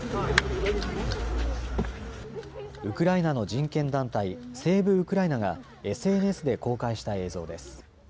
ウクライナの人権団体セーブ・ウクライナがＳＮＳで公開した映像です。